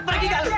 pergi gak lu